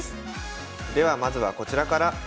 ではまずはこちらから。